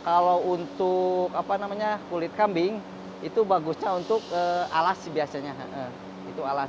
kalau untuk kulit kambing itu bagusnya untuk alas biasanya